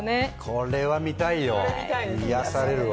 これは見たいよ、癒やされるわ。